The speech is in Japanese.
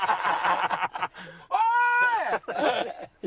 おい！